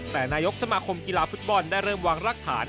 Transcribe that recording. แต่นายกสมาคมกีฬาฟุตบอลได้เริ่มวางรากฐาน